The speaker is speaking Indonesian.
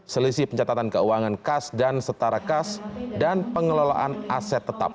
selisih pencatatan keuangan kas dan setara kas dan pengelolaan aset tetap